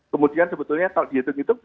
kemudian sebetulnya kalau dihitung hitung